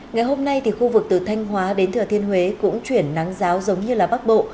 ngày hôm nay thì khu vực từ thanh hóa đến thừa thiên huế cũng chuyển nắng giáo giống như bắc bộ